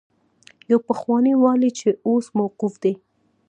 يو پخوانی والي چې اوس موقوف دی.